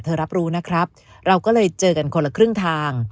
รับรู้นะครับเราก็เลยเจอกันคนละครึ่งทาง